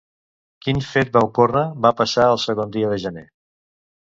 Quin fet va ocórrer va passar el segon dia de gener?